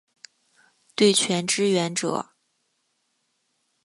对拳支援者